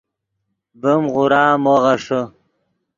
ڤیم غورا مو غیݰے